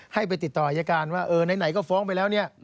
ให้ไปติดต่ออายการว่าเออไหนก็ฟ้องไปแล้วเนี่ย